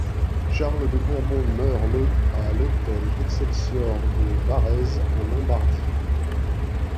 Charles de Bourbon meurt le à l'hôtel Excelsior de Varèse, en Lombardie.